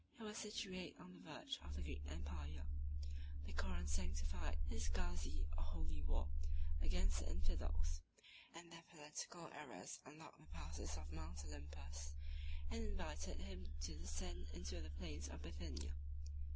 He was situate on the verge of the Greek empire: the Koran sanctified his gazi, or holy war, against the infidels; and their political errors unlocked the passes of Mount Olympus, and invited him to descend into the plains of Bithynia.